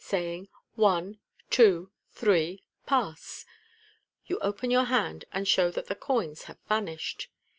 Saying, u One, two, three ! Pass !" you open your hand, and show that the coins have vanished.